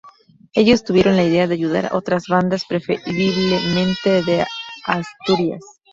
Ellos tuvieron la idea de ayudar otras bandas, preferiblemente de Asturias.